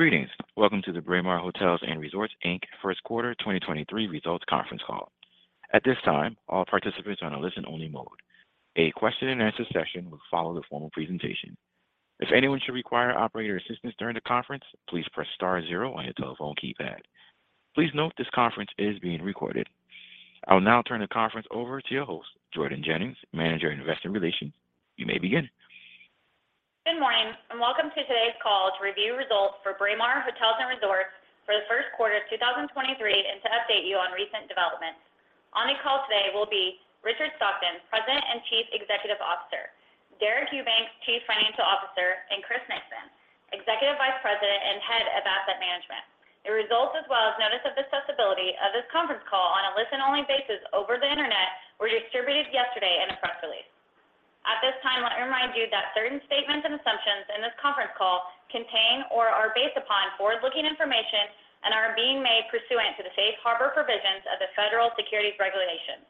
Greetings, welcome to the Braemar Hotels & Resorts Inc. First Quarter 2023 Results Conference Call. At this time, all participants are on a listen-only mode. A question and answer session will follow the formal presentation. If anyone should require operator assistance during the conference, please press star 0 on your telephone keypad. Please note this conference is being recorded. I will now turn the conference over to your host, Jordan Jennings, Manager of Investor Relations. You may begin. Good morning, welcome to today's call to review results for Braemar Hotels & Resorts for the first quarter of 2023, and to update you on recent developments. On the call today will be Richard Stockton, President and Chief Executive Officer, Deric Eubanks, Chief Financial Officer, and Chris Nixon, Executive Vice President and Head of Asset Management. The results as well as notice of accessibility of this conference call on a listen only basis over the Internet were distributed yesterday in a press release. At this time, let me remind you that certain statements and assumptions in this conference call contain or are based upon forward-looking information and are being made pursuant to the safe harbor provisions of the federal securities regulations.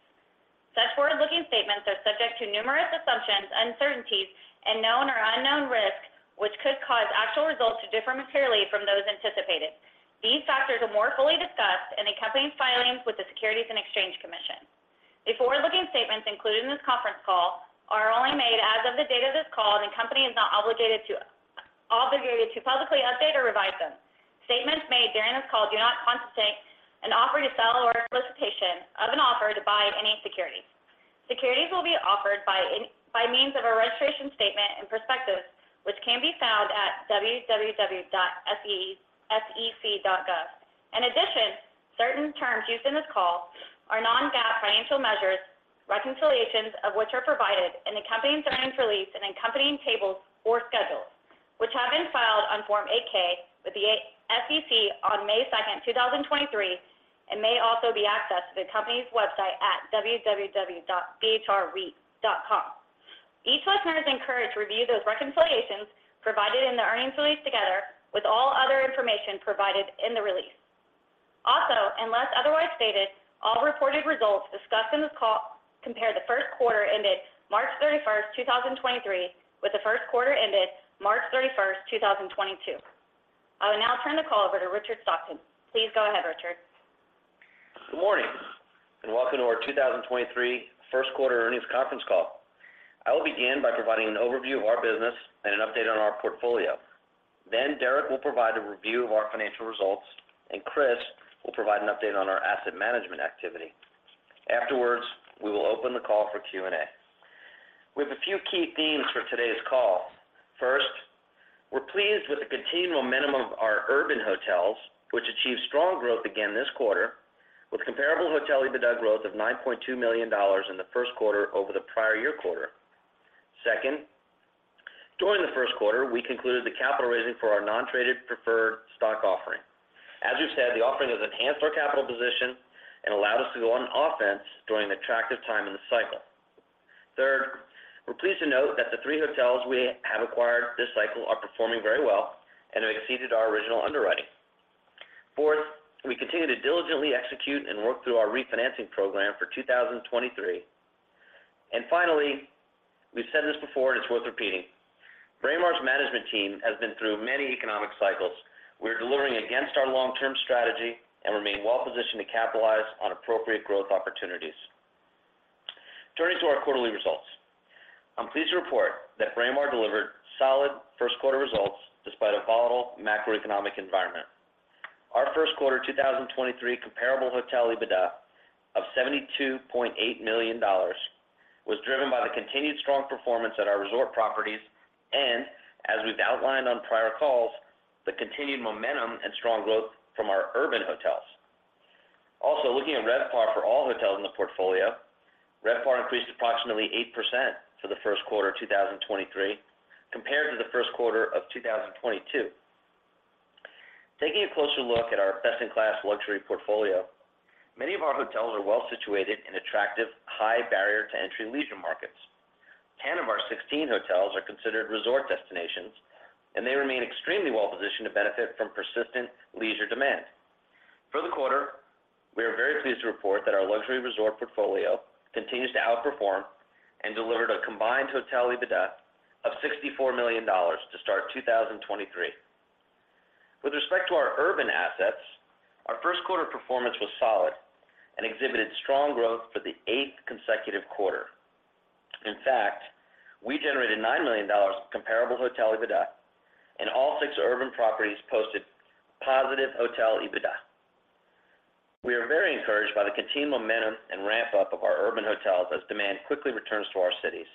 Such forward-looking statements are subject to numerous assumptions, uncertainties, and known or unknown risks which could cause actual results to differ materially from those anticipated. These factors are more fully discussed in the company's filings with the Securities and Exchange Commission. The forward-looking statements included in this conference call are only made as of the date of this call, and the company is not obligated to publicly update or revise them. Statements made during this call do not constitute an offer to sell or a solicitation of an offer to buy any securities. Securities will be offered by means of a registration statement and prospectus, which can be found at www.sec.gov. In addition, certain terms used in this call are non-GAAP financial measures, reconciliations of which are provided in the company's earnings release and accompanying tables or schedules, which have been filed on Form 8-K with the SEC on May 2, 2023, and may also be accessed at the company's website at www.bhrreit.com. Each listener is encouraged to review those reconciliations provided in the earnings release together with all other information provided in the release. Unless otherwise stated, all reported results discussed in this call compare the first quarter ended March 31, 2023, with the first quarter ended March 31, 2022. I will now turn the call over to Richard Stockton. Please go ahead, Richard. Good morning. Welcome to our 2023 first quarter earnings conference call. I will begin by providing an overview of our business and an update on our portfolio. Deric will provide a review of our financial results. Chris will provide an update on our asset management activity. We will open the call for Q&A. We have a few key themes for today's call. We're pleased with the continued momentum of our urban hotels, which achieved strong growth again this quarter with comparable hotel EBITDA growth of $9.2 million in the first quarter over the prior-year quarter. During the first quarter, we concluded the capital raising for our non-traded preferred stock offering. The offering has enhanced our capital position and allowed us to go on offense during an attractive time in the cycle. Third, we're pleased to note that the three hotels we have acquired this cycle are performing very well and have exceeded our original underwriting. Fourth, we continue to diligently execute and work through our refinancing program for 2023. Finally, we've said this before, and it's worth repeating, Braemar's management team has been through many economic cycles. We are delivering against our long-term strategy and remain well-positioned to capitalize on appropriate growth opportunities. Turning to our quarterly results. I'm pleased to report that Braemar delivered solid first quarter results despite a volatile macroeconomic environment. Our first quarter 2023 comparable hotel EBITDA of $72.8 million was driven by the continued strong performance at our resort properties and, as we've outlined on prior calls, the continued momentum and strong growth from our urban hotels. Looking at RevPAR for all hotels in the portfolio, RevPAR increased approximately 8% for the first quarter of 2023 compared to the first quarter of 2022. Taking a closer look at our best-in-class luxury portfolio, many of our hotels are well-situated in attractive, high barrier to entry leisure markets. 10 of our 16 hotels are considered resort destinations, and they remain extremely well-positioned to benefit from persistent leisure demand. For the quarter, we are very pleased to report that our luxury resort portfolio continues to outperform and delivered a combined hotel EBITDA of $64 million to start 2023. With respect to our urban assets, our first quarter performance was solid and exhibited strong growth for the 8th consecutive quarter. In fact, we generated $9 million comparable hotel EBITDA, and all six urban properties posted positive hotel EBITDA. We are very encouraged by the continued momentum and ramp up of our urban hotels as demand quickly returns to our cities.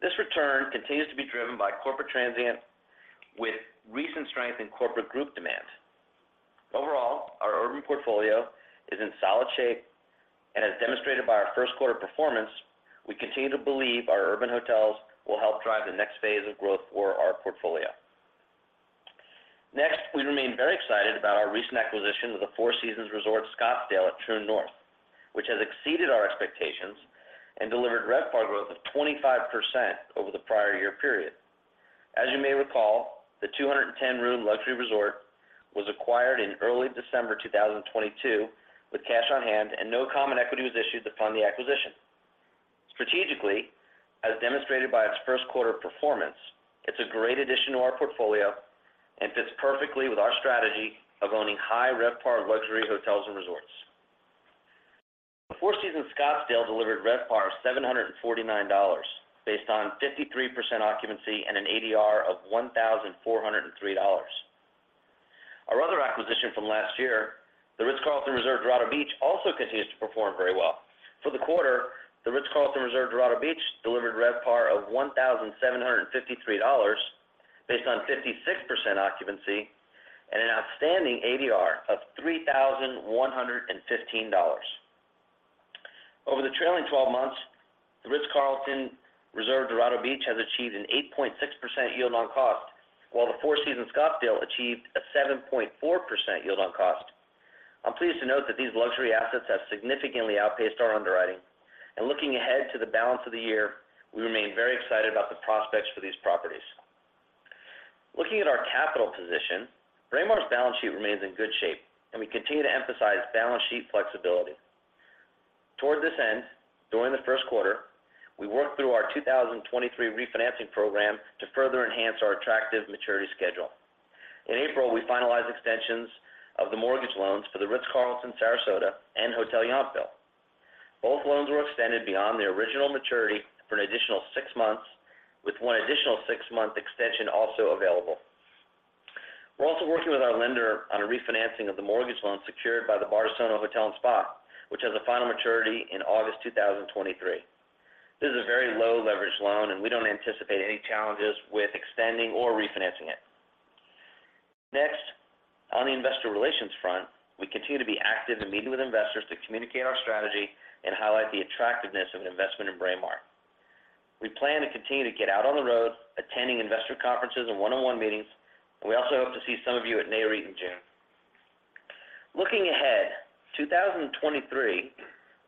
This return continues to be driven by corporate transient with recent strength in corporate group demand. Overall, our urban portfolio is in solid shape. As demonstrated by our first quarter performance, we continue to believe our urban hotels will help drive the next phase of growth for our portfolio. We remain very excited about our recent acquisition of the Four Seasons Resort Scottsdale at Troon North, which has exceeded our expectations and delivered RevPAR growth of 25% over the prior year period. As you may recall, the 210-room luxury resort was acquired in early December 2022 with cash on hand, and no common equity was issued to fund the acquisition. Strategically, as demonstrated by its first quarter performance, it's a great addition to our portfolio and fits perfectly with our strategy of owning high RevPAR luxury hotels and resorts. The Four Seasons Scottsdale delivered RevPAR of $749 based on 53% occupancy and an ADR of $1,403. Our other acquisition from last year, The Ritz-Carlton Reserve Dorado Beach, also continues to perform very well. For the quarter, The Ritz-Carlton Reserve Dorado Beach delivered RevPAR of $1,753 based on 56% occupancy and an outstanding ADR of $3,115. Over the trailing 12 months, The Ritz-Carlton Reserve Dorado Beach has achieved an 8.6% yield on cost, while the Four Seasons Scottsdale achieved a 7.4% yield on cost. I'm pleased to note that these luxury assets have significantly outpaced our underwriting. Looking ahead to the balance of the year, we remain very excited about the prospects for these properties. Looking at our capital position, Braemar's balance sheet remains in good shape, and we continue to emphasize balance sheet flexibility. Toward this end, during the first quarter, we worked through our 2023 refinancing program to further enhance our attractive maturity schedule. In April, we finalized extensions of the mortgage loans for The Ritz-Carlton, Sarasota and Hotel Yountville. Both loans were extended beyond their original maturity for an additional six months, with one additional 6-month extension also available. We're also working with our lender on a refinancing of the mortgage loan secured by the Bardessono Hotel and Spa, which has a final maturity in August 2023. This is a very low leverage loan, and we don't anticipate any challenges with extending or refinancing it. Next, on the investor relations front, we continue to be active in meeting with investors to communicate our strategy and highlight the attractiveness of an investment in Braemar. We plan to continue to get out on the road, attending investor conferences and one-on-one meetings, and we also hope to see some of you at Nareit in June. Looking ahead, 2023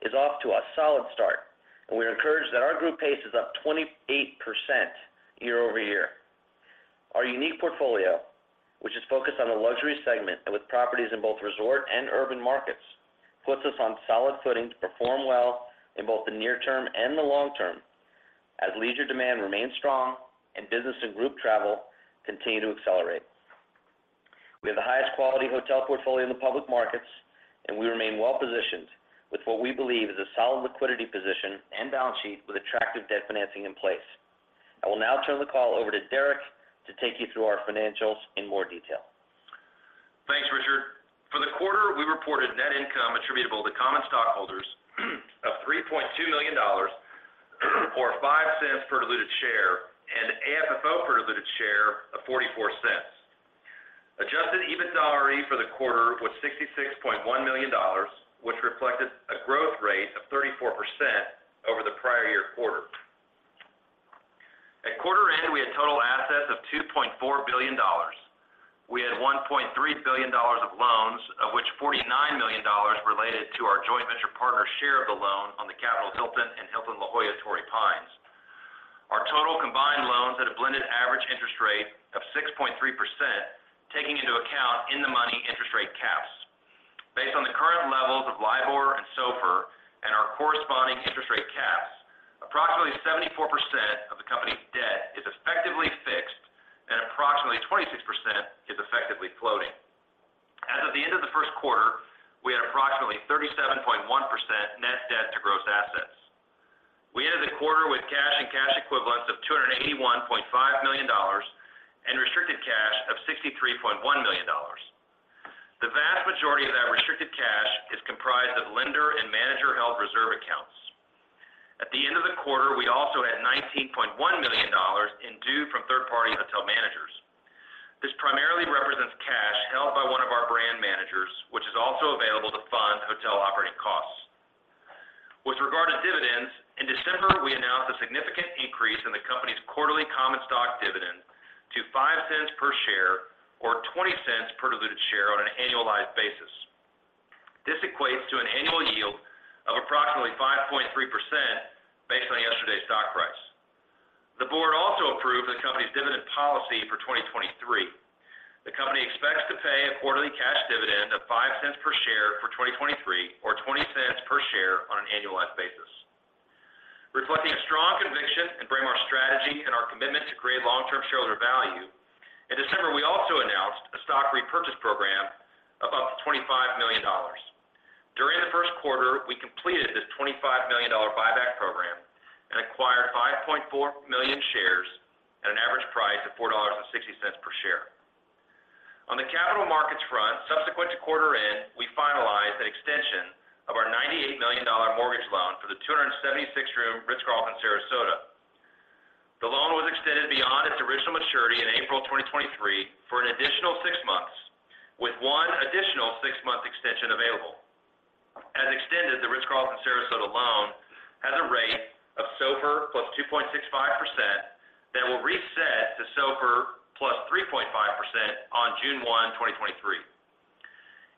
is off to a solid start, and we're encouraged that our group pace is up 28% year-over-year. Our unique portfolio, which is focused on the luxury segment and with properties in both resort and urban markets, puts us on solid footing to perform well in both the near term and the long term as leisure demand remains strong and business and group travel continue to accelerate. We have the highest quality hotel portfolio in the public markets, we remain well-positioned with what we believe is a solid liquidity position and balance sheet with attractive debt financing in place. I will now turn the call over to Deric to take you through our financials in more detail. Thanks, Richard. For the quarter, we reported net income attributable to common stockholders of $3.2 million or $0.05 per diluted share and AFFO per diluted share of $0.44. Adjusted EBITDAre for the quarter was $66.1 million, which reflected a growth rate of 34% over the prior-year-quarter. At quarter end, we had total assets of $2.4 billion. We had $1.3 billion of loans, of which $49 million related to our joint venture partner's share of the loan on The Capital Hilton and Hilton La Jolla Torrey Pines. Our total combined loans had a blended average interest rate of 6.3%, taking into account in-the-money interest rate caps. Based on the current levels of LIBOR and SOFR and our corresponding interest rate caps, approximately 74% of the company's debt is effectively fixed and approximately 26% is effectively floating. As of the end of the first quarter, we had approximately 37.1% net debt to gross assets. We ended the quarter with cash and cash equivalents of $281.5 million and restricted cash of $63.1 million. The vast majority of that restricted cash is comprised of lender and manager-held reserve accounts. At the end of the quarter, we also had $19.1 million in due from third-party hotel managers. This primarily represents cash held by one of our brand managers, which is also available to fund hotel operating costs. With regard to dividends, in December, we announced a significant increase in the company's quarterly common stock dividend to $0.05 per share or $0.20 per diluted share on an annualized basis. This equates to an annual yield of approximately 5.3% based on yesterday's stock price. The board also approved the company's dividend policy for 2023. The company expects to pay a quarterly cash dividend of $0.05 per share for 2023, or $0.20 per share on an annualized basis. Reflecting a strong conviction in Braemar's strategy and our commitment to create long-term shareholder value, in December, we also announced a stock repurchase program of up to $25 million. During the first quarter, we completed this $25 million buyback program and acquired 5.4 million shares at an average price of $4.60 per share. On the capital markets front, subsequent to quarter end, we finalized an extension of our $98 million mortgage loan for the 276-room Ritz-Carlton Sarasota. The loan was extended beyond its original maturity in April 2023 for an additional six months, with one additional six-month extension available. As extended, the Ritz-Carlton Sarasota loan has a rate of SOFR plus 2.65% that will reset to SOFR plus 3.5% on June 1, 2023.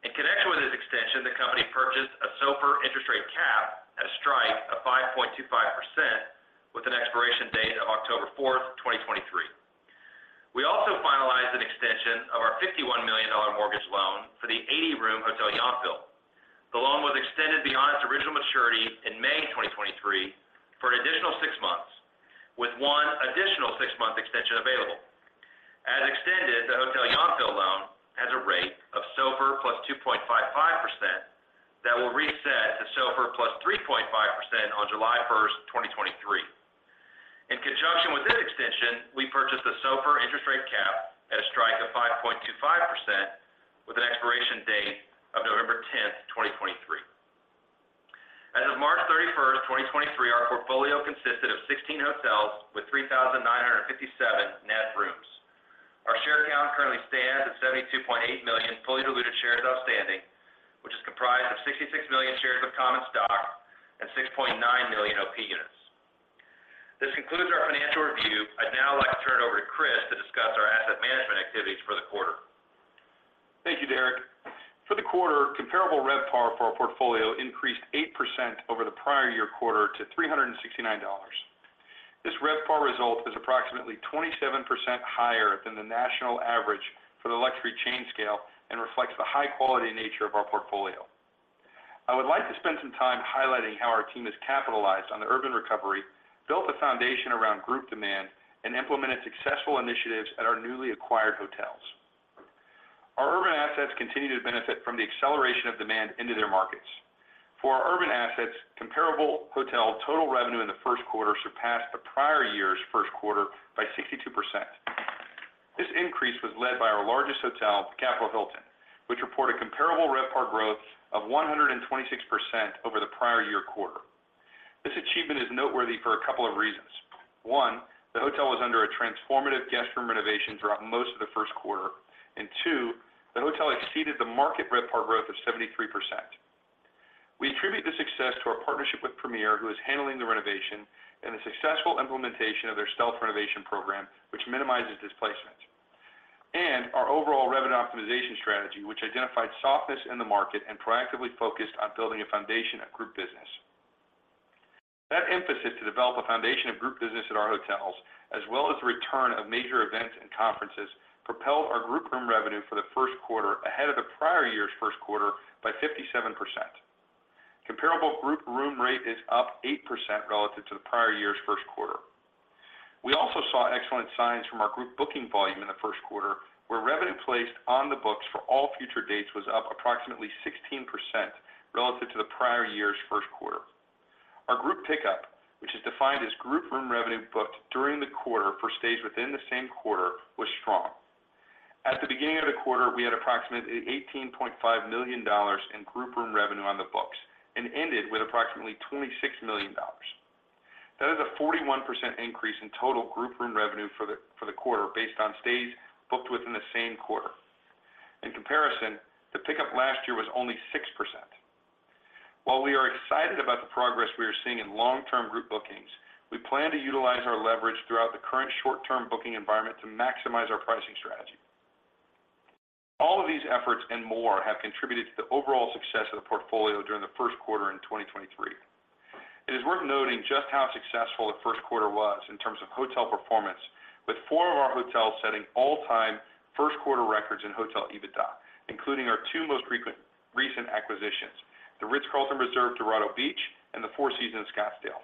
In connection with this extension, the company purchased a SOFR interest rate cap at a strike of 5.25% with an expiration date of October 4, 2023. The loan was extended beyond its original maturity in May 2023 for an additional six months, with one additional six-month extension available. As extended, the Hotel Yountville loan has a rate of SOFR plus 2.55% that will reset to SOFR plus 3.5% on July 1, 2023. In conjunction with that extension, we purchased a SOFR interest rate cap at a strike of 5.25% with an expiration date of November 10, 2023. As of March 31, 2023, our portfolio consisted of 16 hotels with 3,957 net rooms. Our share count currently stands at 72.8 million fully diluted shares outstanding, which is comprised of 66 million shares of common stock and 6.9 million OP units. This concludes our financial review. I'd now like to turn it over to Chris to discuss our asset management activities for the quarter. Thank you, Deric. For the quarter, comparable RevPAR for our portfolio increased 8% over the prior-year-quarter to $369. This RevPAR result is approximately 27% higher than the national average for the luxury chain scale and reflects the high-quality nature of our portfolio. I would like to spend some time highlighting how our team has capitalized on the urban recovery, built a foundation around group demand, and implemented successful initiatives at our newly acquired hotels. Our urban assets continue to benefit from the acceleration of demand into their markets. For our urban assets, comparable hotel total revenue in the first quarter surpassed the prior year's first quarter by 62%. This increase was led by our largest hotel, Capital Hilton, which reported comparable RevPAR growth of 126% over the prior-year-quarter. This achievement is noteworthy for a couple of reasons. One, the hotel was under a transformative guest room renovation throughout most of the first quarter. Two, the hotel exceeded the market RevPAR growth of 73%. We attribute the success to our partnership with Premier, who is handling the renovation, and the successful implementation of their stealth renovation program, which minimizes displacement, and our overall revenue optimization strategy, which identified softness in the market and proactively focused on building a foundation of group business. That emphasis to develop a foundation of group business at our hotels, as well as the return of major events and conferences, propelled our group room revenue for the first quarter ahead of the prior year's first quarter by 57%. Comparable group room rate is up 8% relative to the prior year's first quarter. We also saw excellent signs from our group booking volume in the first quarter, where revenue placed on the books for all future dates was up approximately 16% relative to the prior year's first quarter. Our group pickup, which is defined as group room revenue booked during the quarter for stays within the same quarter, was strong. At the beginning of the quarter, we had approximately $18.5 million in group room revenue on the books and ended with approximately $26 million. That is a 41% increase in total group room revenue for the quarter based on stays booked within the same quarter. In comparison, the pickup last year was only 6%. While we are excited about the progress we are seeing in long-term group bookings, we plan to utilize our leverage throughout the current short-term booking environment to maximize our pricing strategy. All of these efforts and more have contributed to the overall success of the portfolio during the first quarter in 2023. It is worth noting just how successful the first quarter was in terms of hotel performance, with four of our hotels setting all-time first quarter records in hotel EBITDA, including our two most recent acquisitions, The Ritz-Carlton Reserve, Dorado Beach, and The Four Seasons Scottsdale.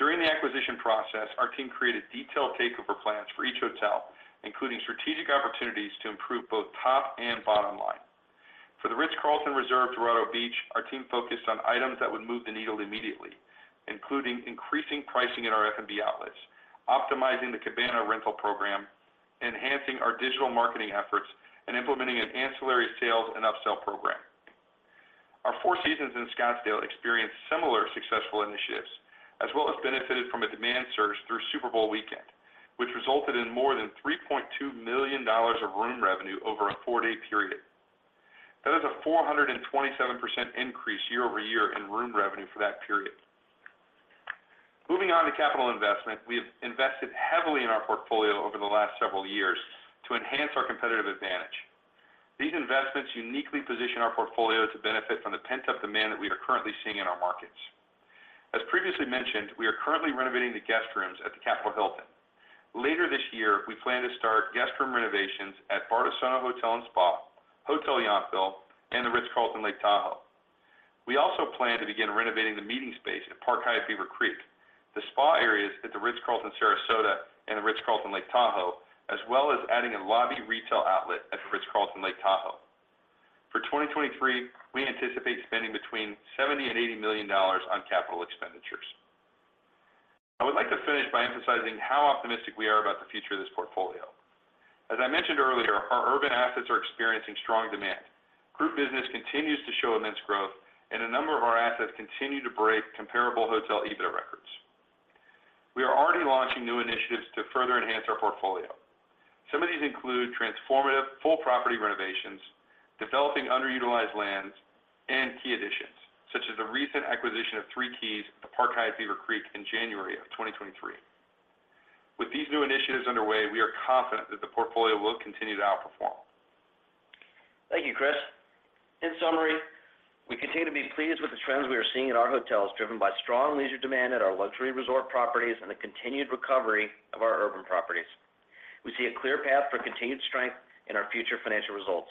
During the acquisition process, our team created detailed takeover plans for each hotel, including strategic opportunities to improve both top and bottom line. For The Ritz-Carlton Reserve, Dorado Beach, our team focused on items that would move the needle immediately, including increasing pricing at our F&B outlets, optimizing the cabana rental program, enhancing our digital marketing efforts, and implementing an ancillary sales and upsell program. Our Four Seasons in Scottsdale experienced similar successful initiatives, as well as benefited from a demand surge through Super Bowl weekend, which resulted in more than $3.2 million of room revenue over a 4-day period. That is a 427% increase year-over-year in room revenue for that period. Moving on to capital investment, we have invested heavily in our portfolio over the last several years to enhance our competitive advantage. These investments uniquely position our portfolio to benefit from the pent-up demand that we are currently seeing in our markets. As previously mentioned, we are currently renovating the guest rooms at The Capital Hilton. Later this year, we plan to start guest room renovations at Bardessono Hotel and Spa, Hotel Yountville, and The Ritz-Carlton, Lake Tahoe. We also plan to begin renovating the meeting space at Park Hyatt Beaver Creek, the spa areas at The Ritz-Carlton, Sarasota and The Ritz-Carlton, Lake Tahoe, as well as adding a lobby retail outlet at The Ritz-Carlton, Lake Tahoe. For 2023, we anticipate spending between $70 million-$80 million on capital expenditures. I would like to finish by emphasizing how optimistic we are about the future of this portfolio. As I mentioned earlier, our urban assets are experiencing strong demand. Group business continues to show immense growth, and a number of our assets continue to break comparable hotel EBITDA records. We are already launching new initiatives to further enhance our portfolio. Some of these include transformative full property renovations, developing underutilized lands, and key additions, such as the recent acquisition of three keys at Park Hyatt Beaver Creek in January of 2023. With these new initiatives underway, we are confident that the portfolio will continue to outperform. Thank you, Chris. In summary, we continue to be pleased with the trends we are seeing at our hotels, driven by strong leisure demand at our luxury resort properties and the continued recovery of our urban properties. We see a clear path for continued strength in our future financial results.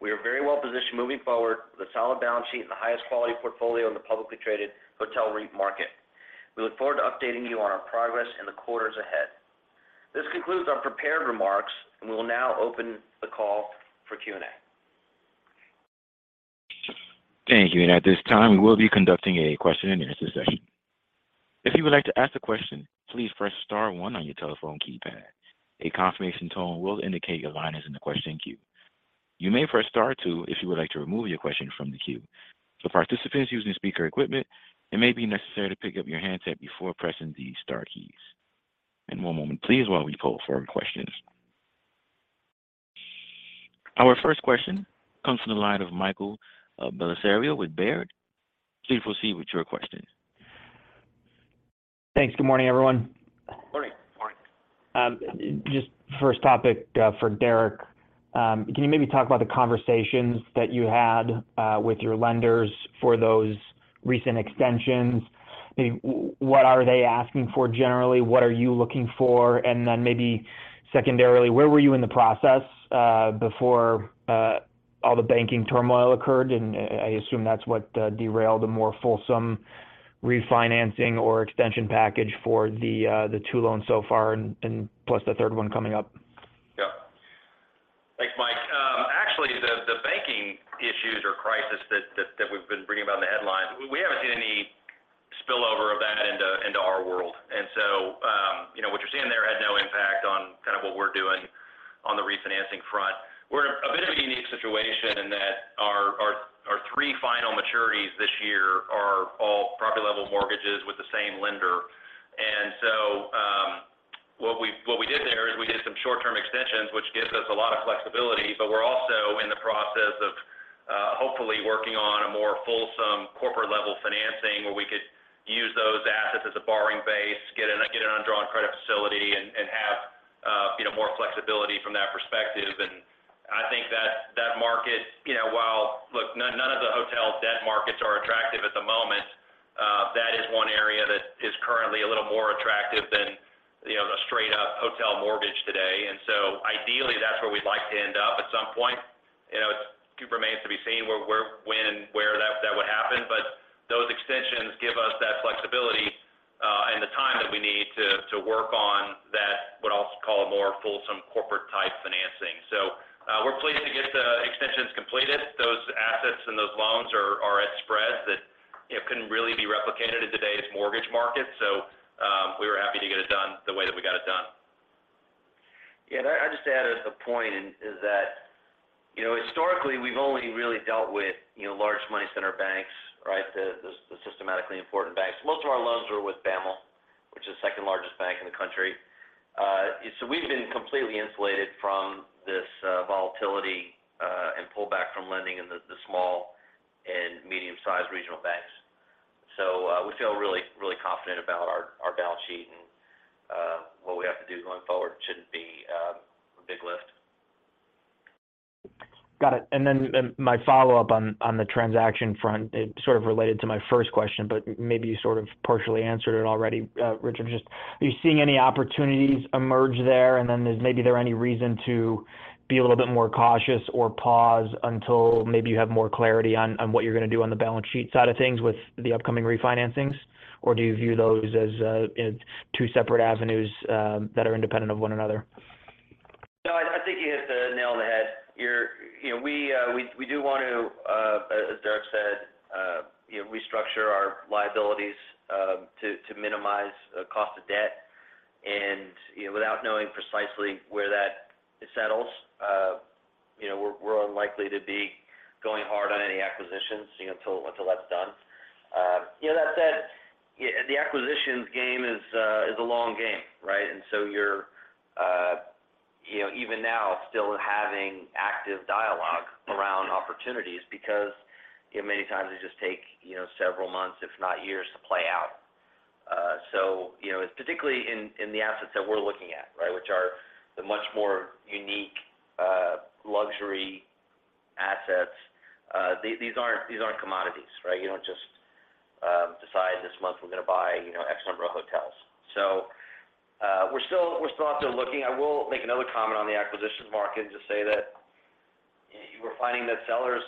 We are very well positioned moving forward with a solid balance sheet and the highest quality portfolio in the publicly traded hotel REIT market. We look forward to updating you on our progress in the quarters ahead. This concludes our prepared remarks, and we will now open the call for Q&A. Thank you. At this time, we will be conducting a question-and-answer session. If you would like to ask a question, please press star one on your telephone keypad. A confirmation tone will indicate your line is in the question queue. You may press star two if you would like to remove your question from the queue. For participants using speaker equipment, it may be necessary to pick up your handset before pressing the star keys. One moment please while we poll for questions. Our first question comes from the line of Michael Bellisario with Baird. Please proceed with your question. Thanks. Good morning, everyone. Morning. Morning. Just first topic for Deric. Can you maybe talk about the conversations that you had with your lenders for those recent extensions? What are they asking for generally? What are you looking for? Maybe secondarily, where were you in the process before all the banking turmoil occurred? I assume that's what derailed a more fulsome refinancing or extension package for the two loans so far, and plus the third one coming up. Yeah. Thanks, Mike. Actually, the banking issues or crisis that we've been reading about in the headlines, we haven't seen any spillover of that into our world. You know, what you're seeing there had no impact on kind of what we're doing on the refinancing front. We're in a bit of a unique situation in that our 3 final maturities this year are all property-level mortgages with the same lender. What we did there is we did some short-term extensions, which gives us a lot of flexibility, but we're also in the process of hopefully working on a more fulsome corporate-level financing where we could use those assets as a borrowing base, get an undrawn credit facility and have, you know, more flexibility from that perspective. I think that market, you know, while... Look, none of the hotel debt markets are attractive at the moment. That is one area that is currently a little more attractive than, you know, the straight up hotel mortgage today. Ideally, that's where we'd like to end up at some point. You know, it remains to be seen when and where that would happen. Those extensions give us that flexibility and the time that we need to work on that, what I'll call a more fulsome corporate type financing. We're pleased to get the extensions completed. Those assets and those loans are at spreads that, you know, couldn't really be replicated in today's mortgage market. We were happy to get it done the way that we got it done. Yeah. I'd just add as a point is that, you know, historically, we've only really dealt with, you know, large money center banks, right? The systematically important banks. Most of our loans are with BAML, which is the second-largest bank in the country. We've been completely insulated from this volatility and pullback from lending in the small and medium-sized regional banks. We feel really, really confident about our balance sheet and what we have to do going forward shouldn't be a big lift. Got it. My follow-up on the transaction front, it sort of related to my first question, but maybe you sort of partially answered it already, Richard. Just are you seeing any opportunities emerge there? Is maybe there any reason to be a little bit more cautious or pause until maybe you have more clarity on what you're gonna do on the balance sheet side of things with the upcoming refinancings? Or do you view those as two separate avenues that are independent of one another? No, I think you hit the nail on the head. You know, we do want to, as Deric said, you know, restructure our liabilities, to minimize cost of debt. You know, without knowing precisely where that settles, you know, we're unlikely to be going hard on any acquisitions, you know, until that's done. You know, that said, the acquisitions game is a long game, right? You know, even now still having active dialogue around opportunities because, you know, many times they just take, you know, several months, if not years, to play out. So, you know, particularly in the assets that we're looking at, right, which are the much more unique luxury assets, these aren't commodities, right? You don't just decide this month we're gonna buy, you know, X number of hotels. We're still out there looking. I will make another comment on the acquisitions market to say that we're finding that sellers,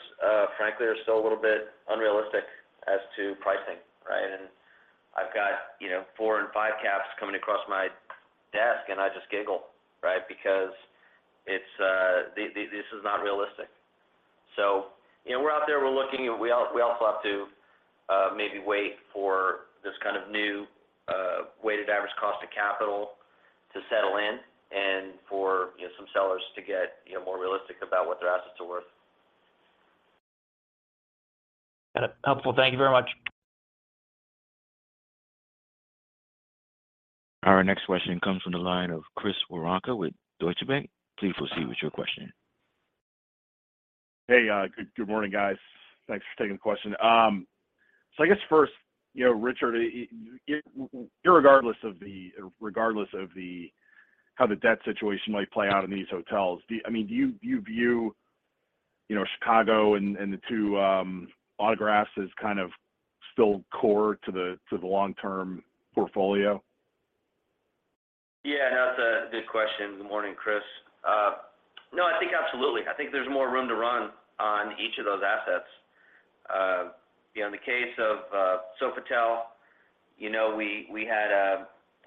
frankly, are still a little bit unrealistic as to pricing, right? I've got, you know, four and five caps coming across my desk, and I just giggle, right? Because it's, this is not realistic. You know, we're out there, we're looking. We also have to maybe wait for this kind of new weighted average cost of capital to settle in and for, you know, some sellers to get, you know, more realistic about what their assets are worth. Got it. Helpful. Thank you very much. Our next question comes from the line of Chris Woronka with Deutsche Bank. Please proceed with your question. Hey, good morning, guys. Thanks for taking the question. I guess first, you know, Richard, regardless of the how the debt situation might play out in these hotels, I mean, do you view, you know, Chicago and the two, Autographs is kind of still core to the, to the long-term portfolio? Yeah. No, that's a good question. Good morning, Chris. No, I think absolutely. I think there's more room to run on each of those assets. You know, in the case of Sofitel, you know, we had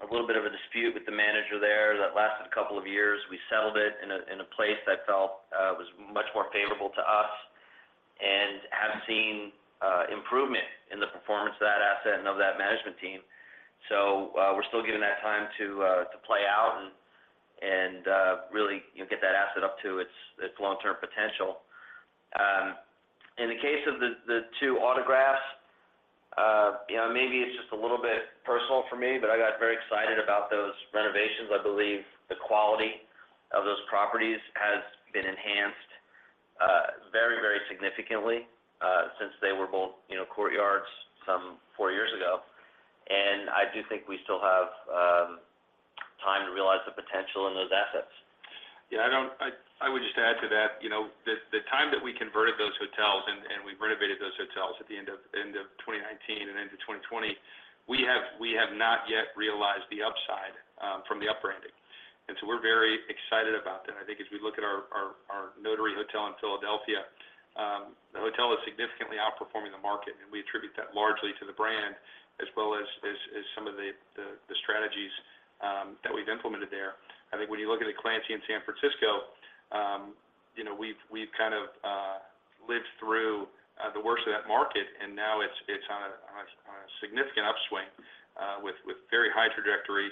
a little bit of a dispute with the manager there that lasted a two years. We settled it in a place that felt was much more favorable to us, and have seen improvement in the performance of that asset and of that management team. We're still giving that time to play out and really, you know, get that asset up to its long-term potential. In the case of the 2 Autographs, you know, maybe it's just a little bit personal for me, but I got very excited about those renovations. I believe the quality of those properties has been enhanced, very, very significantly, since they were both, you know, Courtyards some four years ago. I do think we still have time to realize the potential in those assets. I would just add to that, you know, the time that we converted those hotels and we renovated those hotels at the end of 2019 and into 2020, we have not yet realized the upside from the up-branding, and so we're very excited about that. I think as we look at our Notary Hotel in Philadelphia, the hotel is significantly outperforming the market, and we attribute that largely to the brand as well as some of the strategies that we've implemented there. I think when you look at The Clancy in San Francisco, you know, we've kind of lived through the worst of that market, and now it's on a significant upswing, with very high trajectory,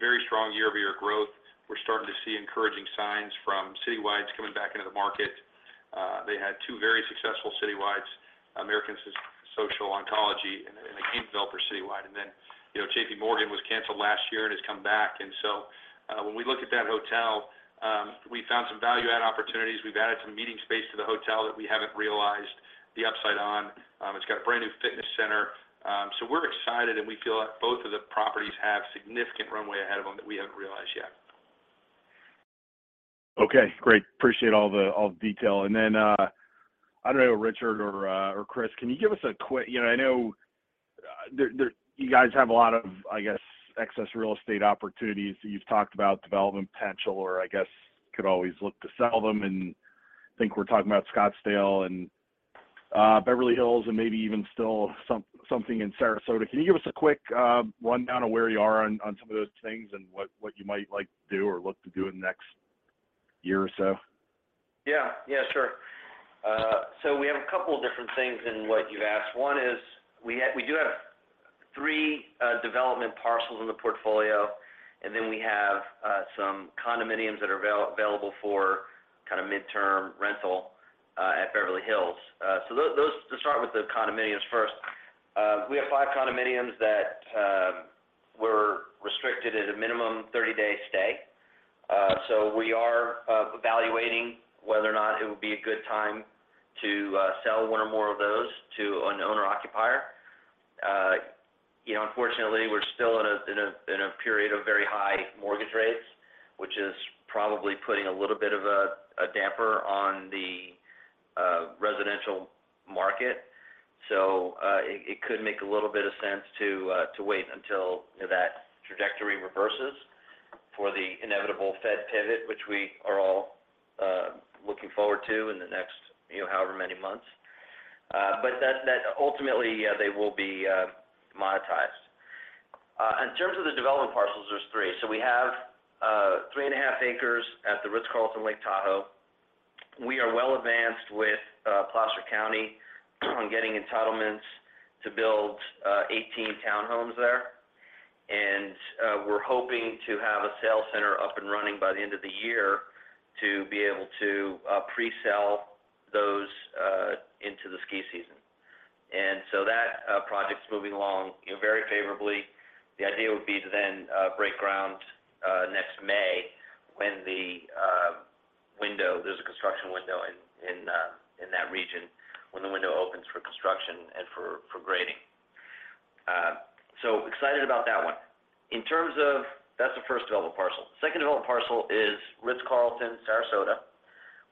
very strong year-over-year growth. We're starting to see encouraging signs from citywides coming back into the market. They had two very successful citywides, American Society of Clinical Oncology and a game developer citywide. you know, J.P. Morgan was canceled last year and has come back. When we look at that hotel, we found some value add opportunities. We've added some meeting space to the hotel that we haven't realized the upside on. It's got a brand new fitness center. We're excited, and we feel like both of the properties have significant runway ahead of them that we haven't realized yet. Okay, great. Appreciate all the detail. I don't know, Richard or Chris. You know, I know, you guys have a lot of, I guess, excess real estate opportunities that you've talked about development potential, or I guess could always look to sell them. I think we're talking about Scottsdale and Beverly Hills, and maybe even still something in Sarasota. Can you give us a quick rundown of where you are on some of those things and what you might like to do or look to do in the next year or so? Yeah. Yeah, sure. We have a couple of different things in what you've asked. One is we do have three development parcels in the portfolio. We have some condominiums that are available for kind of midterm rental at Beverly Hills. To start with the condominiums first, we have five condominiums that were restricted at a minimum 30-day stay. We are evaluating whether or not it would be a good time to sell one or more of those to an owner-occupier. You know, unfortunately, we're still in a, in a, in a period of very high mortgage rates, which is probably putting a little bit of a damper on the residential market. It could make a little bit of sense to wait until, you know, that trajectory reverses for the inevitable Fed pivot, which we are all looking forward to in the next, you know, however many months. Ultimately, yeah, they will be monetized. In terms of the development parcels, there's three. We have three and a half acres at The Ritz-Carlton, Lake Tahoe. We are well advanced with Placer County on getting entitlements to build 18 townhomes there. We're hoping to have a sales center up and running by the end of the year to be able to pre-sell those into the ski season. That project's moving along, you know, very favorably. The idea would be to break ground next May when there's a construction window in that region, when the window opens for construction and for grading. Excited about that one. That's the first development parcel. Second development parcel is The Ritz-Carlton, Sarasota,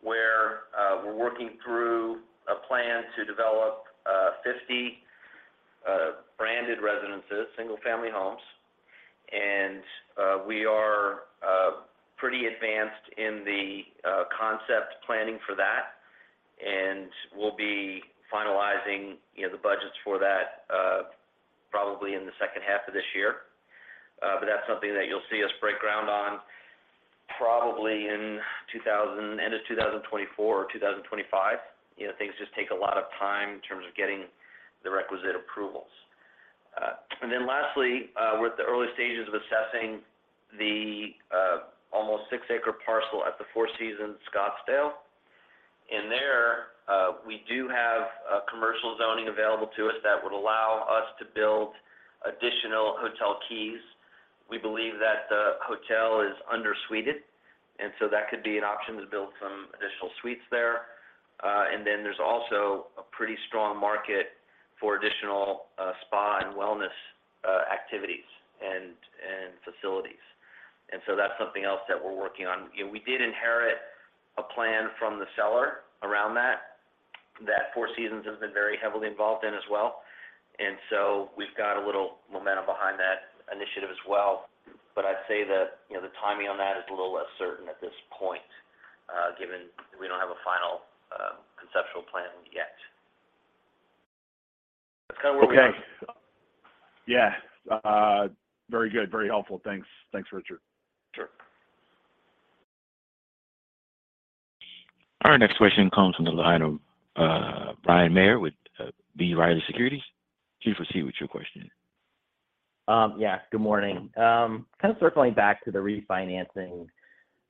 where we're working through a plan to develop 50 branded residences, single-family homes. We are pretty advanced in the concept planning for that, and we'll be finalizing, you know, the budgets for that probably in the second half of this year. That's something that you'll see us break ground on probably in end of 2024 or 2025. You know, things just take a lot of time in terms of getting the requisite approvals. Lastly, we're at the early stages of assessing the almost six-acre parcel at the Four Seasons Scottsdale. There, we do have a commercial zoning available to us that would allow us to build additional hotel keys. We believe that the hotel is under-suited, and so that could be an option to build some additional suites there. There's also a pretty strong market for additional spa and wellness activities and facilities. That's something else that we're working on. You know, we did inherit a plan from the seller around that Four Seasons has been very heavily involved in as well. We've got a little momentum behind that initiative as well. I'd say that, you know, the timing on that is a little less certain at this point, given we don't have a final conceptual plan yet. That's kind of where we are. Okay. Yeah. Very good. Very helpful. Thanks. Thanks, Richard. Sure. Our next question comes from the line of Bryan Maher with B. Riley Securities. Please proceed with your question. Yeah. Good morning. Kind of circling back to the refinancing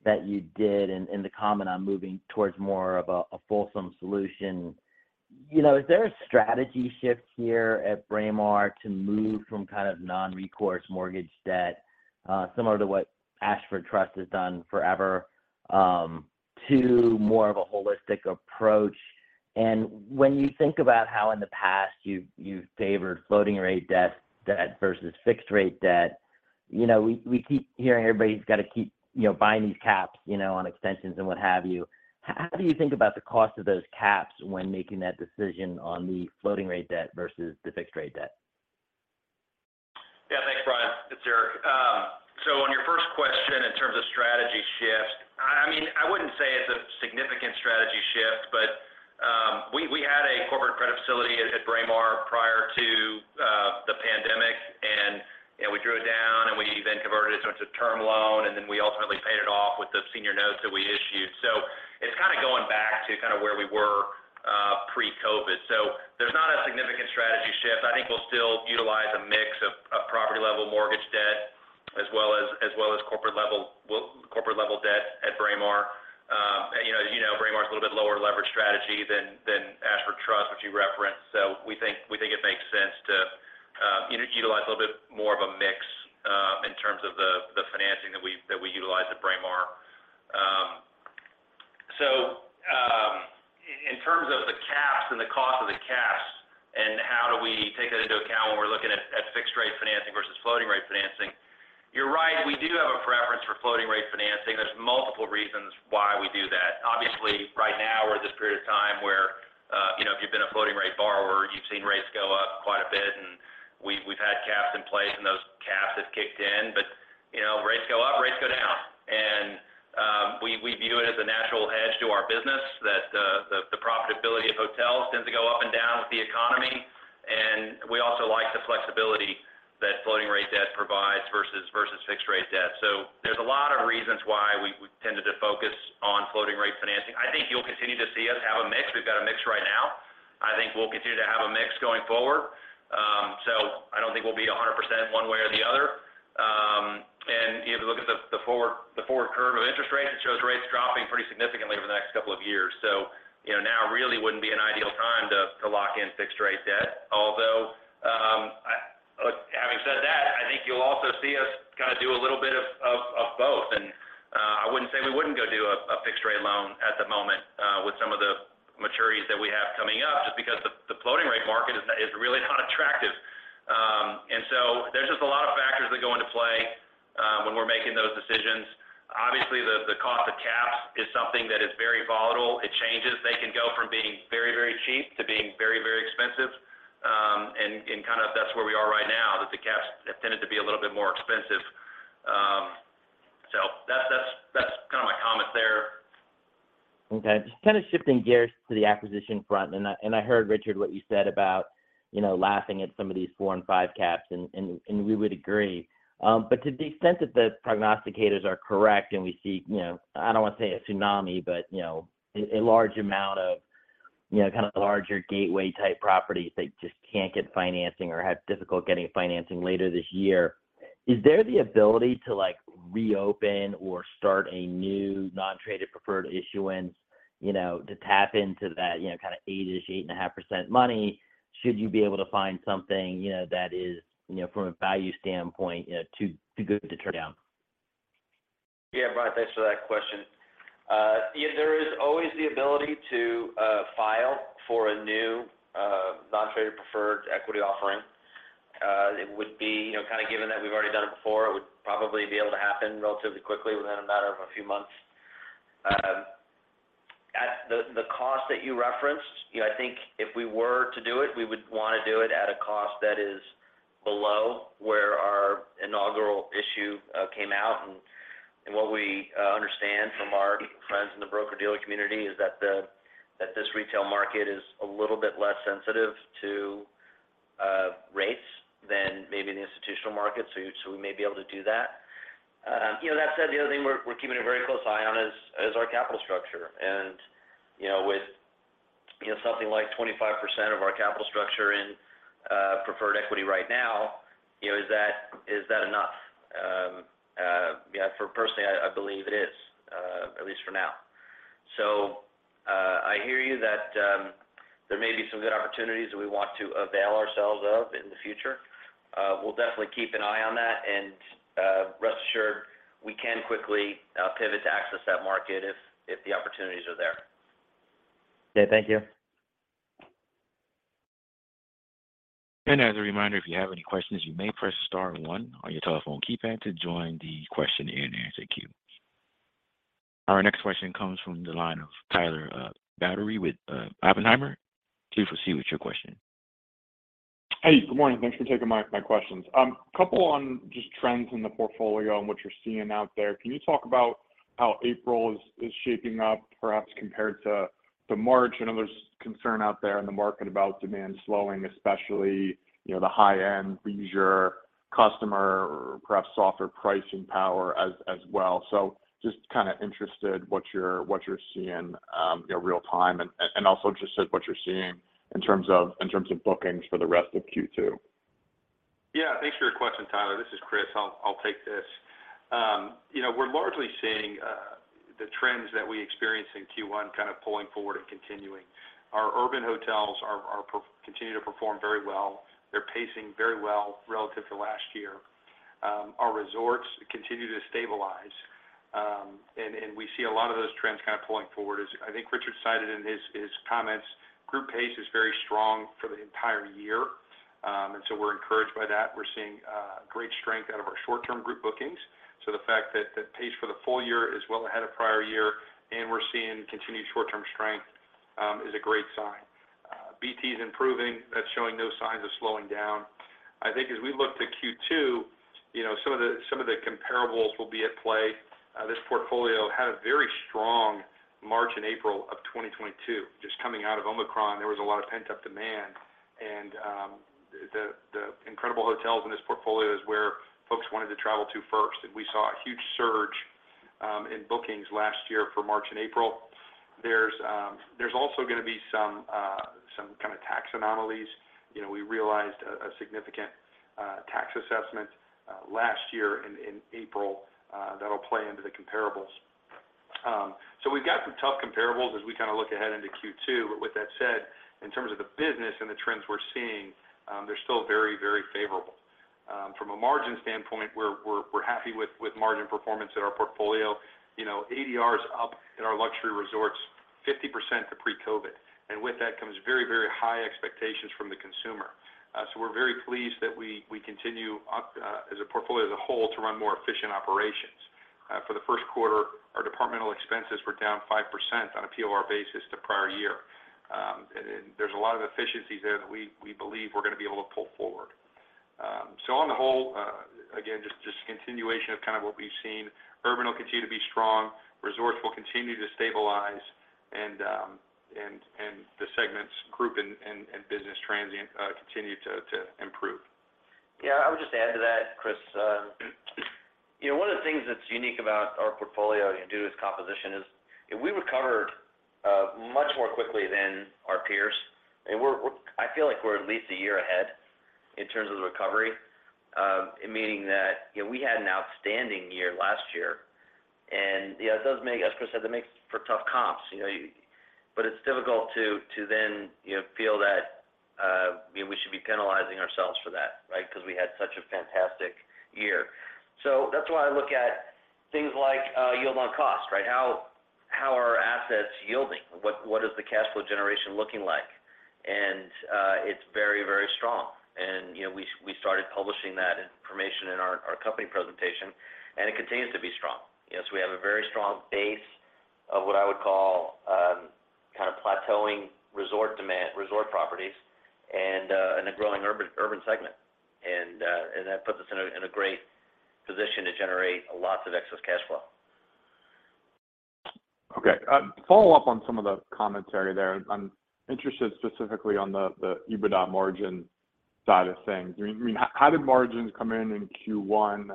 that you did and the comment on moving towards more of a fulsome solution, you know, is there a strategy shift here at Braemar to move from kind of non-recourse mortgage debt, similar to what Ashford Trust has done forever, to more of a holistic approach? When you think about how in the past you've favored floating rate debt versus fixed rate debt, you know, we keep hearing everybody's got to keep, you know, buying these caps, you know, on extensions and what have you. How do you think about the cost of those caps when making that decision on the floating rate debt versus the fixed rate debt? Yeah, thanks, Bryan. It's Eric. On your first question in terms of strategy shift, I mean, I wouldn't say it's a significant strategy shift, but we had a corporate credit facility at Braemar prior to the pandemic, and, you know, we drew it down, and we then converted it into a term loan, and then we ultimately paid it off with the senior notes that we issued. It's kind of going back to where we were pre-COVID. There's not a significant strategy shift. I think we'll still utilize a mix of property level mortgage debt as well as corporate level debt at Braemar. You know, as you know, Braemar's a little bit lower leverage strategy than Ashford Trust, which you referenced. We think it makes sense to utilize a little bit more of a mix in terms of the financing that we utilize at Braemar. In terms of the caps and the cost of the caps and how do we take that into account when we're looking at fixed rate financing versus floating rate financing, you're right, we do have a preference for floating rate financing. There's multiple reasons why we do that. Obviously, right now we're in this period of time where, you know, if you've been a floating rate borrower, you've seen rates go up quite a bit, and we've had caps in place, and those caps have kicked in. You know, rates go up, rates go down, and we view it as a natural hedge to our business that the profitability of hotels tends to go up and down with the economy, and we also like the flexibility that floating rate debt provides versus fixed rate debt. There's a lot of reasons why we tended to focus on floating rate financing. I think you'll continue to see us have a mix. We've got a mix right now. I think we'll continue to have a mix going forward. So I don't think we'll be 100% one way or the other. If you look at the forward curve of interest rates, it shows rates dropping pretty significantly over the next couple of years. You know, now really wouldn't be an ideal time to lock in fixed rate debt. Although, having said that, I think you'll also see us kind of do a little bit of both. I wouldn't say we wouldn't go do a fixed rate loan at the moment with some of the maturities that we have coming up just because the floating rate market is really not attractive. There's just a lot of factors that go into play when we're making those decisions. Obviously the cost of caps is something that is very volatile. It changes. They can go from being very, very cheap to being very, very expensive. Kind of that's where we are right now, that the caps have tended to be a little bit more expensive. that's kind of my comment there. Okay. Just kind of shifting gears to the acquisition front, and I heard Richard what you said about, you know, laughing at some of these four and five caps, and we would agree. To the extent that the prognosticators are correct and we see, you know, I don't want to say a tsunami, but, you know, a large amount of, you know, kind of larger gateway type properties that just can't get financing or have difficulty getting financing later this year, is there the ability to like reopen or start a new non-traded preferred issuance, you know, to tap into that, you know, kind of 8-ish, 8.5% money should you be able to find something, you know, that is, you know, from a value standpoint, you know, too good to turn down? Bryan, thanks for that question. There is always the ability to file for a new non-traded preferred equity offering. You know, kind of given that we've already done it before, it would probably be able to happen relatively quickly within a matter of a few months. At the cost that you referenced, you know, I think if we were to do it, we would want to do it at a cost that is below where our inaugural issue came out. What we understand from our friends in the broker-dealer community is that this retail market is a little bit less sensitive to rates than maybe the institutional market. We may be able to do that. you know, that said, the other thing we're keeping a very close eye on is our capital structure. you know, with, you know, something like 25% of our capital structure in preferred equity right now, you know, is that enough? you know, for personally, I believe it is, at least for now. I hear you that there may be some good opportunities that we want to avail ourselves of in the future. We'll definitely keep an eye on that, rest assured we can quickly pivot to access that market if the opportunities are there. Okay. Thank you. As a reminder, if you have any questions, you may press star one on your telephone keypad to join the question and answer queue. Our next question comes from the line of Tyler Batory with Oppenheimer. Please proceed with your question. Good morning. Thanks for taking my questions. Couple on just trends in the portfolio and what you're seeing out there. Can you talk about how April is shaping up perhaps compared to March? I know there's concern out there in the market about demand slowing, especially, you know, the high-end leisure customer or perhaps softer pricing power as well. Just kinda interested what you're seeing, you know, real time and also just what you're seeing in terms of bookings for the rest of Q2. Yeah. Thanks for your question, Tyler Batory. This is Chris Nixon. I'll take this. You know, we're largely seeing the trends that we experienced in Q1 kind of pulling forward and continuing. Our urban hotels continue to perform very well. They're pacing very well relative to last year. Our resorts continue to stabilize, and we see a lot of those trends kind of pulling forward. As I think Richard Stockton cited in his comments, group pace is very strong for the entire year, so we're encouraged by that. We're seeing great strength out of our short-term group bookings, so the fact that that pace for the full-year is well ahead of prior year, and we're seeing continued short-term strength, is a great sign. BT is improving. That's showing no signs of slowing down. I think as we look to Q2, you know, some of the comparables will be at play. This portfolio had a very strong March and April of 2022. Just coming out of Omicron, there was a lot of pent-up demand, and the incredible hotels in this portfolio is where folks wanted to travel to first, and we saw a huge surge in bookings last year for March and April. There's also gonna be some kind of tax anomalies. You know, we realized a significant tax assessment last year in April that'll play into the comparables. We've got some tough comparables as we kind of look ahead into Q2, but with that said, in terms of the business and the trends we're seeing, they're still very, very favorable. From a margin standpoint, we're happy with margin performance at our portfolio. You know, ADR is up in our luxury resorts 50% to pre-COVID, with that comes very, very high expectations from the consumer. We're very pleased that we continue up as a portfolio as a whole to run more efficient operations. For the first quarter, our departmental expenses were down 5% on a POR basis to prior year. There's a lot of efficiencies there that we believe we're gonna be able to pull forward. On the whole, again, a continuation of kind of what we've seen. Urban will continue to be strong. Resorts will continue to stabilize and the segments group and business transient continue to improve. Yeah. I would just add to that, Chris. you know, one of the things that's unique about our portfolio due to its composition is we recovered much more quickly than our peers, and I feel like we're at least a year ahead in terms of the recovery. Meaning that, you know, we had an outstanding year last year, yeah, it does make... As Chris said, it makes for tough comps, you know. It's difficult to then, you know, feel that, you know, we should be penalizing ourselves for that, right, 'cause we had such a fantastic year. That's why I look at things like yield on cost, right? How are assets yielding? What is the cash flow generation looking like? It's very, very strong. You know, we started publishing that information in our company presentation, and it continues to be strong. You know, we have a very strong base of what I would call, kind of plateauing resort demand, resort properties and a growing urban segment. That puts us in a great position to generate lots of excess cash flow. Okay. follow-up on some of the commentary there. I'm interested specifically on the EBITDA margin side of things. I mean, how did margins come in in Q1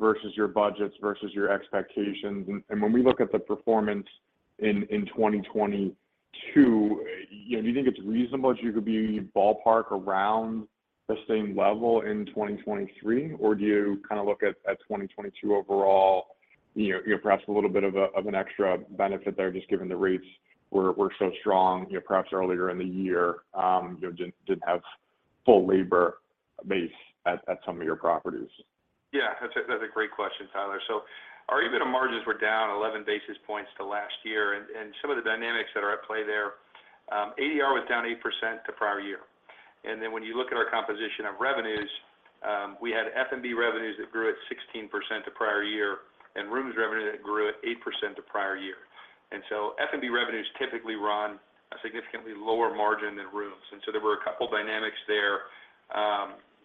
versus your budgets, versus your expectations? And when we look at the performance in 2022, you know, do you think it's reasonable to be ballpark around the same level in 2023, or do you kind of look at 2022 overall, you know, perhaps a little bit of an extra benefit there just given the rates were so strong? You know, perhaps earlier in the year, you know, didn't have full labor base at some of your properties? Yeah. That's a great question, Tyler. Our EBITDA margins were down 11 basis points to last year, and some of the dynamics that are at play there, ADR was down 8% to prior year. When you look at our composition of revenues, we had F&B revenues that grew at 16% to prior year and rooms revenue that grew at 8% to prior year. F&B revenues typically run a significantly lower margin than rooms, and so there were a couple dynamics there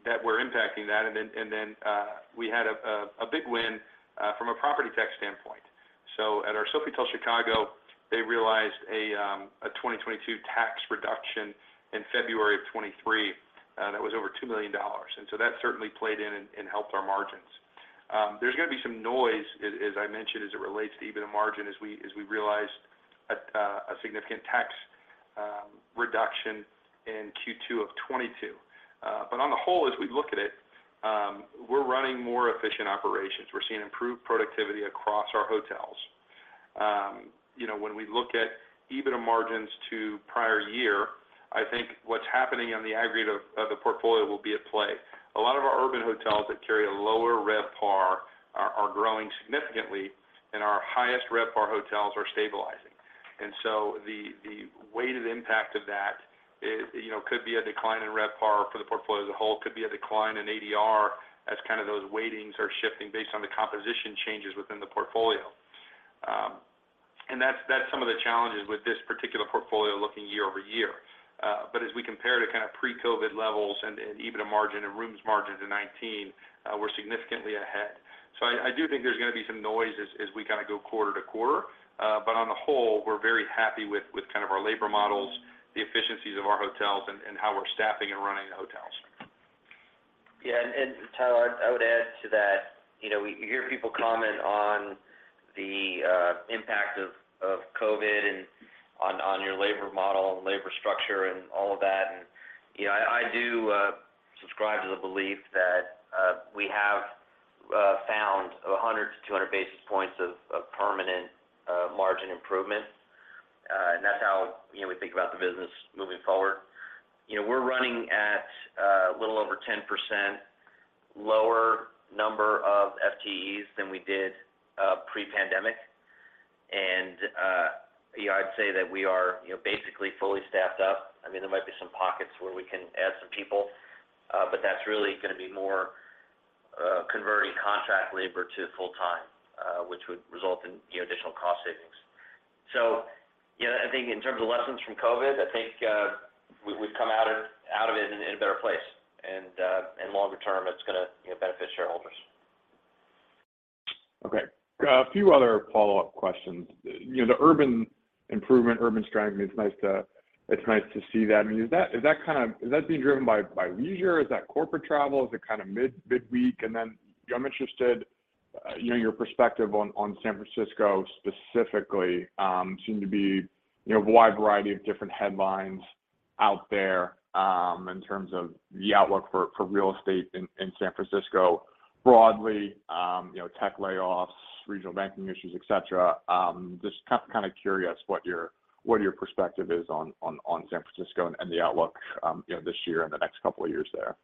that were impacting that. Then, we had a big win from a property tax standpoint. At our Sofitel Chicago, they realized a 2022 tax reduction in February 2023 that was over $2 million, and that certainly played in and helped our margins. There's gonna be some noise as I mentioned, as it relates to EBITDA margin as we realized a significant tax reduction in Q2 2022. On the whole, as we look at it, we're running more efficient operations. We're seeing improved productivity across our hotels. You know, when we look at EBITDA margins to prior year, I think what's happening on the aggregate of the portfolio will be at play. A lot of our urban hotels that carry a lower RevPAR are growing significantly, and our highest RevPAR hotels are stabilizing. The weighted impact of that is, you know, could be a decline in RevPAR for the portfolio as a whole, could be a decline in ADR as kind of those weightings are shifting based on the composition changes within the portfolio. That's some of the challenges with this particular portfolio looking year-over-year. As we compare to kind of pre-COVID levels and, even a margin and rooms margin to 2019, we're significantly ahead. I do think there's gonna be some noise as we kind of go quarter-to-quarter. On the whole, we're very happy with kind of our labor models, the efficiencies of our hotels, and how we're staffing and running the hotels. Yeah. Tyler, I would add to that, you know, we hear people comment on the impact of COVID and on your labor model and labor structure and all of that. You know, I do subscribe to the belief that we have found 100 to 200 basis points of permanent margin improvement. That's how, you know, we think about the business moving forward. You know, we're running at a little over 10% lower number of FTEs than we did pre-pandemic. You know, I'd say that we are, you know, basically fully staffed up. I mean, there might be some pockets where we can add some people, but that's really gonna be more converting contract labor to full-time, which would result in, you know, additional cost savings. You know, I think in terms of lessons from COVID, I think, we've come out of, out of it in a better place, and, longer term it's gonna, you know, benefit shareholders. Okay. A few other follow-up questions. You know, the urban improvement, urban strategy, it's nice to, it's nice to see that. I mean, is that kind of... Is that being driven by leisure? Is that corporate travel? Is it kind of midweek? Then I'm interested, you know, your perspective on San Francisco specifically. Seem to be, you know, a wide variety of different headlines out there, in terms of the outlook for real estate in San Francisco broadly. You know, tech layoffs, regional banking issues, et cetera. Just kind of curious what your perspective is on San Francisco and the outlook, you know, this year and the next couple of years there.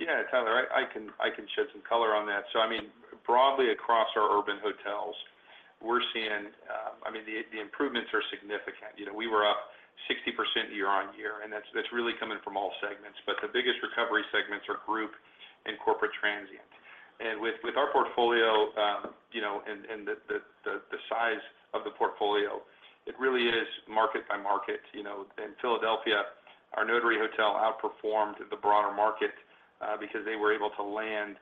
Yeah, Tyler, I can shed some color on that. I mean, broadly across our urban hotels, we're seeing, I mean, the improvements are significant. You know, we were up 60% year-on-year, and that's really coming from all segments. The biggest recovery segments are group and corporate transient. With our portfolio, you know, and the size of the portfolio, it really is market by market, you know. In Philadelphia, our The Notary Hotel outperformed the broader market because they were able to land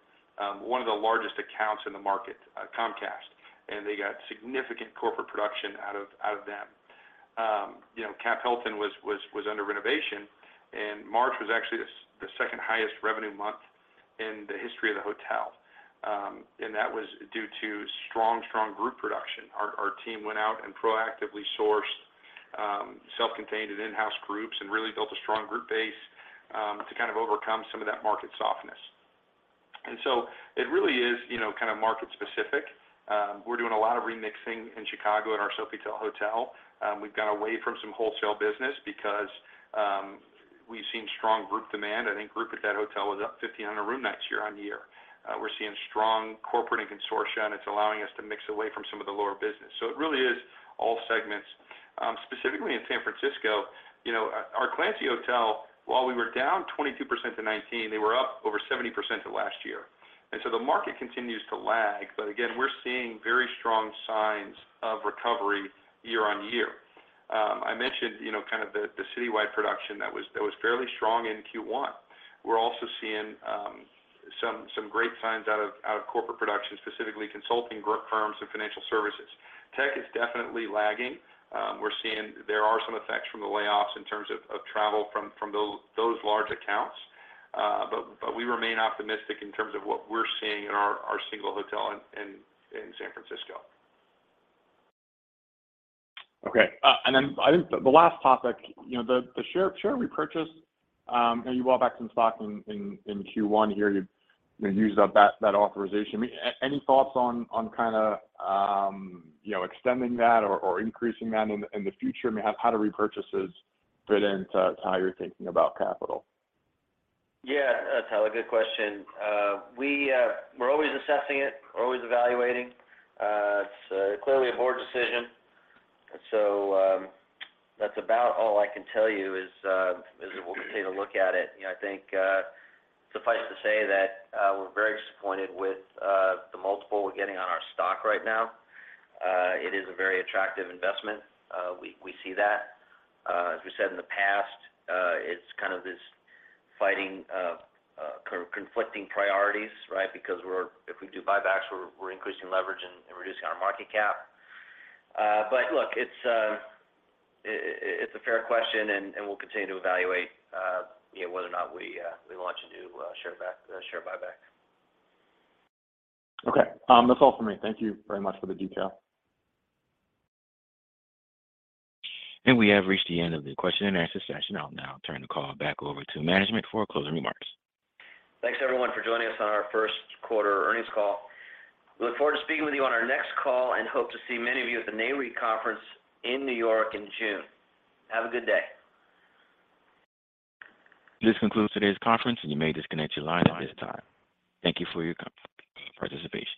one of the largest accounts in the market, Comcast, and they got significant corporate production out of them. You know, Capital Hilton was under renovation, and March was actually the second highest revenue month in the history of the hotel. That was due to strong group production. Our team went out and proactively sourced self-contained and in-house groups and really built a strong group base to kind of overcome some of that market softness. It really is, you know, kind of market specific. We're doing a lot of remixing in Chicago at our Sofitel hotel. We've gone away from some wholesale business because we've seen strong group demand. I think group at that hotel was up 1,500 room nights year-on-year. We're seeing strong corporate and consortia, it's allowing us to mix away from some of the lower business. It really is all segments. Specifically in San Francisco, you know, our Clancy Hotel, while we were down 22% to 2019, they were up over 70% to last year. The market continues to lag, but again, we're seeing very strong signs of recovery year-over-year. I mentioned, you know, kind of the citywide production that was fairly strong in Q1. We're also seeing some great signs out of corporate production, specifically consulting group firms and financial services. Tech is definitely lagging. We're seeing there are some effects from the layoffs in terms of travel from those large accounts. We remain optimistic in terms of what we're seeing in our single hotel in San Francisco. I think the last topic, you know, the share repurchase, I know you bought back some stock in Q1 here. You've, you know, used up that authorization. I mean, any thoughts on kinda, you know, extending that or increasing that in the future? I mean, how do repurchases fit into how you're thinking about capital? Yeah. Tyler Batory, good question. We're always assessing it. We're always evaluating. It's clearly a board decision. That's about all I can tell you is that we'll continue to look at it. You know, I think suffice to say that we're very disappointed with the multiple we're getting on our stock right now. It is a very attractive investment. We see that. As we said in the past, it's kind of this fighting conflicting priorities, right? If we do buybacks, we're increasing leverage and reducing our market cap. Look, it's a fair question, and we'll continue to evaluate, you know, whether or not we want to do share buyback. Okay. That's all for me. Thank you very much for the detail. We have reached the end of the question and answer session. I'll now turn the call back over to management for closing remarks. Thanks everyone for joining us on our first quarter earnings call. We look forward to speaking with you on our next call. Hope to see many of you at the Nareit conference in New York in June. Have a good day. This concludes today's conference, and you may disconnect your line at this time. Thank you for your participation.